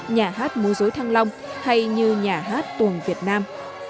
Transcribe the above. nhà hát múa dối thăng long hay như nhà hát tuồng việt nam